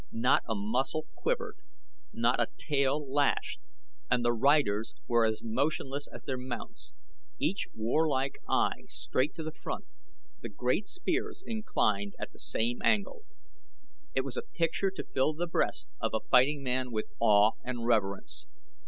Not a muscle quivered, not a tail lashed, and the riders were as motionless as their mounts each warlike eye straight to the front, the great spears inclined at the same angle. It was a picture to fill the breast of a fighting man with awe and reverence.